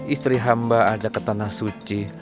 istri hamba ada ke tanah suci